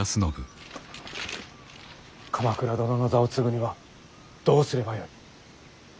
鎌倉殿の座を継ぐにはどうすればよい？